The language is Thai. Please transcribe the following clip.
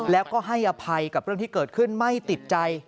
แล้วก็ให้อภัยกับเรื่องที่เกิดขึ้นไม่ติดใจ